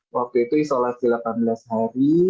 waktu itu isolasi delapan belas hari